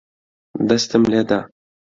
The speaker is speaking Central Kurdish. دەستم لێ دا.